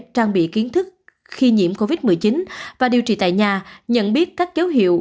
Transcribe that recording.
trang bị kiến thức khi nhiễm covid một mươi chín và điều trị tại nhà nhận biết các dấu hiệu